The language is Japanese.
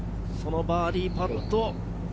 そのバーディーパット。